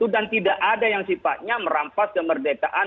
dan tidak ada yang sifatnya merampas kemerdekaan